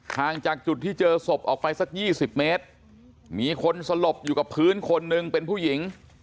ห่างจากจุดที่เจอศพออกไปสัก๒๐เมตรมีคนสลบอยู่กับพื้นคนหนึ่งเป็นผู้หญิง